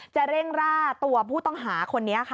จะเร่งร่าตัวผู้ต้องหาคนนี้ค่ะ